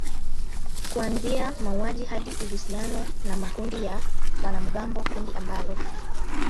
kuanzia mauaji hadi uhusiano na makundi ya wanamgambo kundi ambalo